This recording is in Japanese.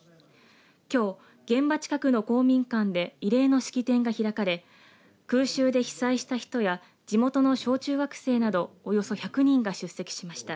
きょう、現場近くの公民館で慰霊の式典が開かれ空襲で被災した人や地元の小中学生などおよそ１００人が出席しました。